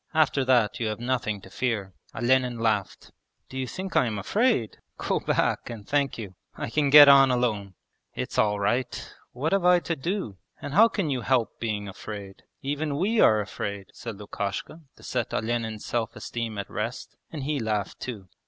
After that you have nothing to fear.' Olenin laughed. 'Do you think I am afraid? Go back, and thank you. I can get on alone.' 'It's all right! What have I to do? And how can you help being afraid? Even we are afraid,' said Lukashka to set Olenin's self esteem at rest, and he laughed too.